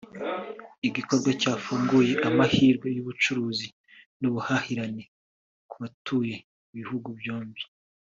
igikorwa cyafunguye amahirwe y’ubucuruzi n’ubuhahirane ku batuye ibihugu byombi